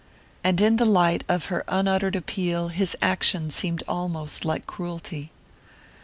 and in the light of her unuttered appeal his action seemed almost like cruelty.